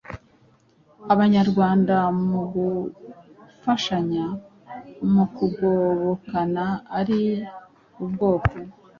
Abanyarwanda mu gufashanya, mu kugobokana ari ubwoko